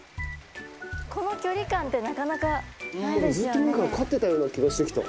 この距離感ってなかなかないですよね。